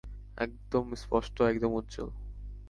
একদম স্পষ্ট, একদম উজ্জ্বল।